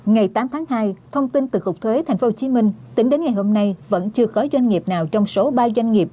ngày tám tháng hai thông tin từ cục thuế tp hcm tính đến ngày hôm nay vẫn chưa có doanh nghiệp nào trong số ba doanh nghiệp